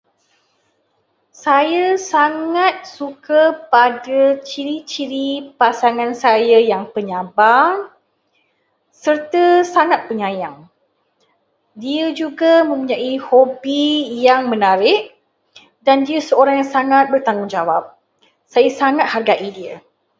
Saya sangat suka pada ciri-ciri pasangan saya yang penyabar serta sangat penyayang. Dia juga mempunyai hobi yang menarik dan dia seorang yang sangat bertanggungjawab. Saya sangat menghargai dia.